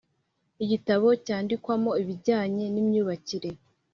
Igitabo cyandikwamo ibijyanye n imyubakire